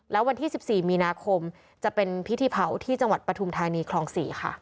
แล้ววันที่๑๔มีนาคมจะเป็นพิธีเผาที่จังหวัดปฐุมธานีคลอง๔ค่ะ